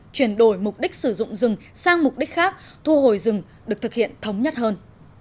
chuyển đổi mục đích sử dụng rừng sang mục đích khác thu hồi rừng được thực hiện thống nhất hơn